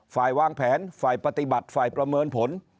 ฝ่ายวางแผนฝ่ายปฏิบัติฝ่ายประเมินผล